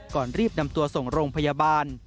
ก่อนรีบนำตัวส่งโรงพยาบาล